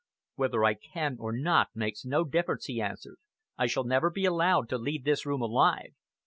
"Whether I can or not makes no difference," he answered. "I shall never be allowed to leave this room alive."